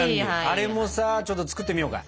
あれもさちょっと作ってみようか！